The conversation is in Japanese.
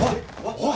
おい！